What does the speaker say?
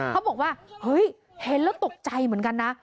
เขาบอกว่าเฮ้ยเห็นแล้วตกใจเหมือนกันนะ